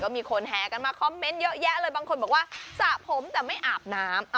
มีคนแห่กันมาคอมเมนต์เยอะแยะเลยบางคนบอกว่าสระผมแต่ไม่อาบน้ำ